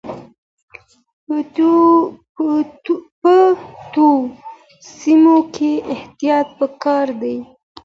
په تودو سیمو کې احتیاط پکار دی.